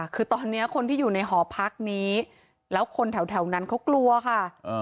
คือตอนนี้คนที่อยู่ในหอพักนี้แล้วคนแถวนั้นเขากลัวค่ะ